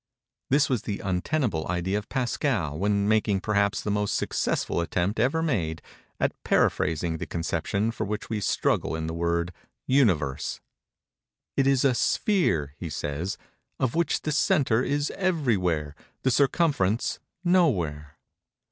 This was the untenable idea of Pascal when making perhaps the most successful attempt ever made, at periphrasing the conception for which we struggle in the word "Universe." "It is a sphere," he says, "of which the centre is everywhere, the circumference, nowhere."